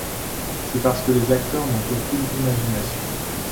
C'est parce que les acteurs n'ont aucune imagination.